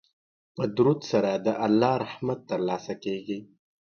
په درود سره د الله رحمت ترلاسه کیږي.